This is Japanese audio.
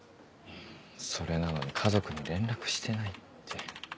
それなのに家族に連絡してないって。